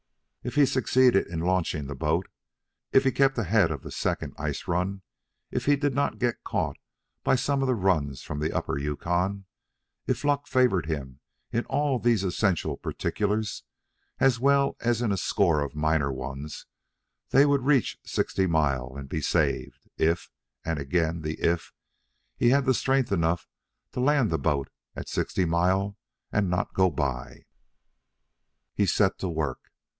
If he succeeded in launching the boat, if he kept ahead of the second ice run, if he did not get caught by some of the runs from the upper Yukon; if luck favored in all these essential particulars, as well as in a score of minor ones, they would reach Sixty Mile and be saved, if and again the if he had strength enough to land the boat at Sixty Mile and not go by. He set to work.